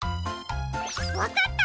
わかった！